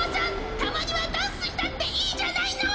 たまにはダンスしたっていいじゃないの！